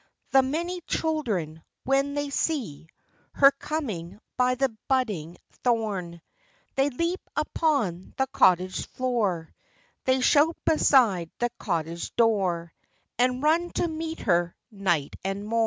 The many children, when they see Her coming, by the budding thorn, They leap upon the cottage floor, They shout beside the cottage door, And run to meet her night and morn.